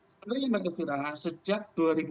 sebenarnya mbak ketura sejak dua ribu empat belas